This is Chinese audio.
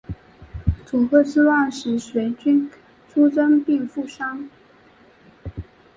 佐贺之乱时随军出征并负伤。